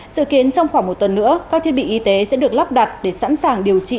dự kiến trong khoảng một tuần nữa các thiết bị y tế sẽ được lắp đặt để sẵn sàng điều trị